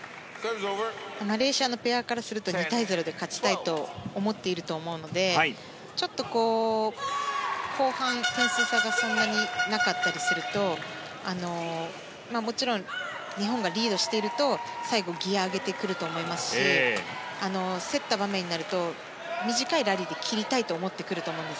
マレーシアのペアからすると２対０で勝ちたいと思っていると思うのでちょっと後半、点数差がそんなになかったりするともちろん日本がリードしていると最後、ギアを上げてくると思いますし競った場面になると短いラリーで切りたいと思ってくると思うんです。